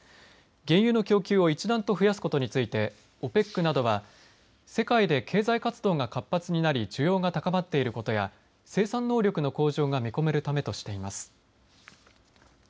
原油の供給を一段と増やすことについてＯＰＥＣなどは世界で経済活動が活発になり需要が高まっていることや生産能力の向上が見込めるためとしています。